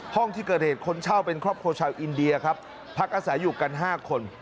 ห้องที่เกิดเหตุคนเช่าเป็นครอบครัวชาวอินเดียครับพักอาศัยอยู่กัน๕คน